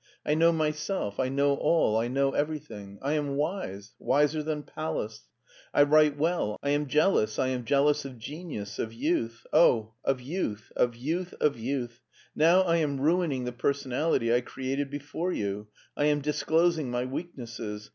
I know myself, I know all, I know everything — ^I am wise, wiser than Pallas. I write well. I am jealous — I am jealous of genius, of youth — oh, of youth, of youth, of youth ! Now I am ruining the personality I created before you — I am disclosing my weaknesses.